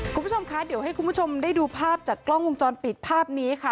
คุณผู้ชมคะเดี๋ยวให้คุณผู้ชมได้ดูภาพจากกล้องวงจรปิดภาพนี้ค่ะ